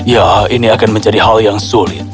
ya ini akan menjadi hal yang sulit